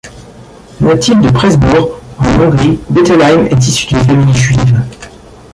Natif de Presbourg en Hongrie, Bettelheim est issu d'une famille juive.